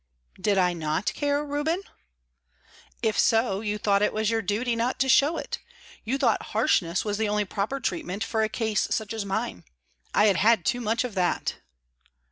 "Did I not care, Reuben?" "If so, you thought it was your duty not to show it. You thought harshness was the only proper treatment for a case such as mine. I had had too much of that."